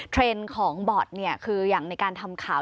เทรนด์ของบอทคืออย่างในการทำข่าว